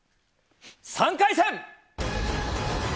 ３回戦！